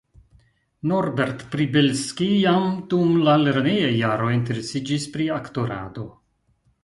Norbert Pribelszki jam dum la lernejaj jaroj interesiĝis pri aktorado.